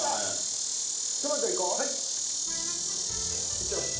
いっちゃいます。